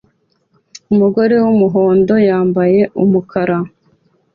Umugore wumuhondo yambaye umukara